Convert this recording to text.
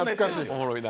おもろいな。